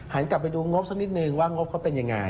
หันกลับไปดูงบสักนิดหนึ่งว่างบเขาเป็นอย่างไร